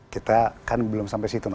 kita kan belum sampai situ mas